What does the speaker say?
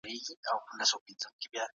ایا واړه پلورونکي شین ممیز ساتي؟